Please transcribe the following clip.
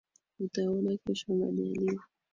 Tutaonana kesho majaliwa